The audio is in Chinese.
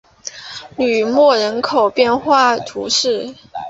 吕莫人口变化图示